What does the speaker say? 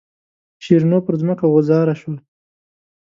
شیرینو پر ځمکه غوځاره شوه.